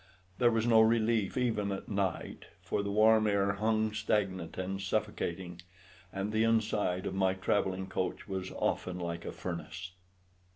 There was no relief even at night, for the warm air hung stagnant and suffocating, and the inside of my travelling coach was often like a furnace.